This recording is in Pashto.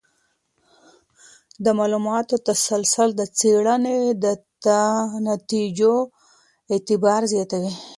د معلوماتو تسلسل د څېړنې د نتیجو اعتبار زیاتوي.